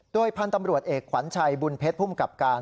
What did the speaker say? โดยพันธุ์ตำรวจเอกขวัญชัยบุญเพชรภูมิกับการ